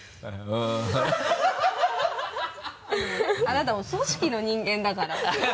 あなたも組織の人間だから。